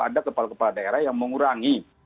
ada kepala kepala daerah yang mengurangi